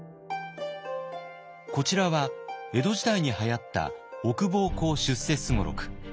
こちらは江戸時代にはやった「奥奉公出世雙六」。